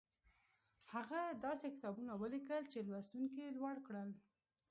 هغه داسې کتابونه وليکل چې لوستونکي يې لوړ کړل.